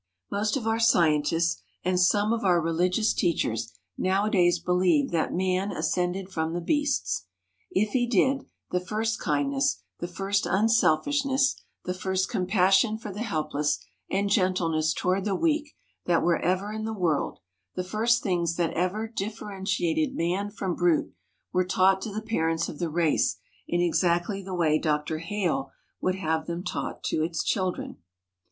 Most of our scientists and some of our religious teachers nowadays believe that man ascended from the beasts. If he did, the first kindness, the first unselfishness, the first compassion for the helpless, and gentleness toward the weak, that were ever in the world, the first things that ever differentiated man from brute, were taught to the parents of the race in exactly the way Dr. Hale would have them taught to its children.